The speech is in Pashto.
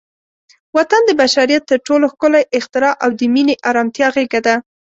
وطن د بشریت تر ټولو ښکلی اختراع او د مینې، ارامتیا غېږه ده.